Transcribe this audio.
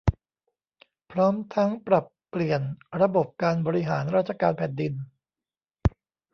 พร้อมทั้งปรับเปลี่ยนระบบการบริหารราชการแผ่นดิน